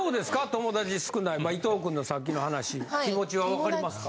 友達少ない伊藤くんのさっきの話気持ちはわかりますか？